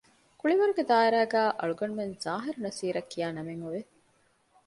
ކުޅިވަރުގެ ދާއިރާގައި އަޅުގަނޑުމެން ޒާހިރު ނަޞީރަށް ކިޔާ ނަމެއް އޮވެ